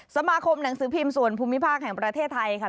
สมาคมหนังสือพิมพ์ส่วนภูมิภาคแห่งประเทศไทยค่ะ